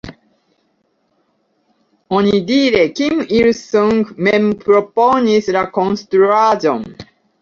Onidire Kim Il-sung mem proponis la konstruaĵon.